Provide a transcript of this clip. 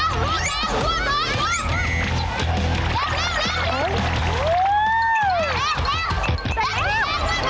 ไปไปแล้วหมดแล้ว